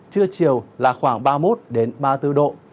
trưa chiều là khoảng ba mươi một ba mươi bốn độ